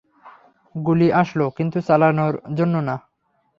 গুলি আসল, কিন্তু চালানোর জন্য না।